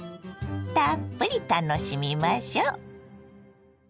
たっぷり楽しみましょ。